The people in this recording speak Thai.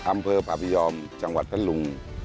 อำเภอผ่าพยอมจังหวัดพัทธลุง